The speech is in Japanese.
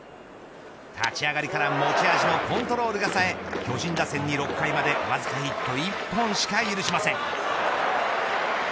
立ち上がりから持ち味のコントロールがさえ巨人打線に６回まで、わずかヒット１本しか許しません。